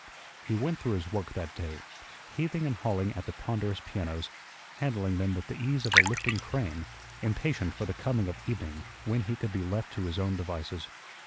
He went through his work that day, heaving and hauling at the ponderous pianos, handling them with the ease of a lifting crane, impatient for the coming of evening, when he could be left to his own devices.